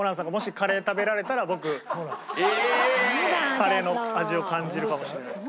カレーの味を感じるかもしれないですけど。